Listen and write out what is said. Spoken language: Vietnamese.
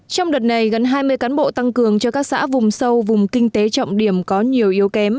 trong đợt này gần hai mươi cán bộ tăng cường cho các xã vùng sâu vùng kinh tế trọng điểm có nhiều yếu kém